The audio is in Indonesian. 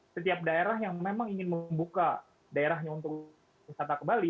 setiap daerah yang memang ingin membuka daerahnya untuk wisata ke bali